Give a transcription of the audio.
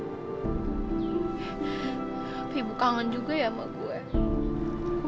tapi ibu kangen juga ya sama gue